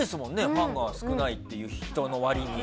ファンが少ないっていう人の割に。